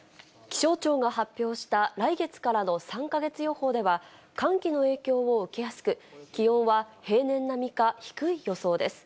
気象庁が発表した来月からの３か月予報では、寒気の影響を受けやすく、気温は平年並みか低い予想です。